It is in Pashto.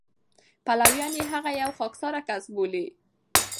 پلویان یې هغه یو خاکساره کس بولي.